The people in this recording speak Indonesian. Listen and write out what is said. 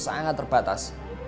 itu pun sangat terbatas